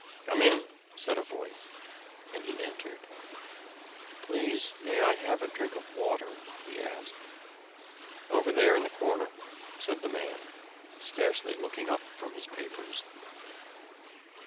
"Come in," said a voice, and he entered. "Please, may I have a drink of water?" he asked. "Over there in the corner," said the man, scarcely looking up from his papers.